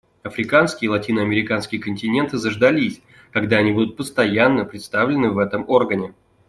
Африканский и латиноамериканский континенты заждались, когда они будут постоянно представлены в этом органе.